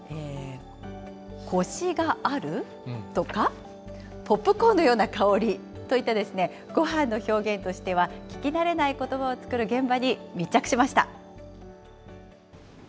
こしがあるとか、ポップコーンのような香りとか、ごはんの表現としては、聞き慣れないことばをつくる現場に密着しました。